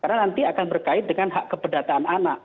karena nanti akan berkait dengan hak kepedataan anak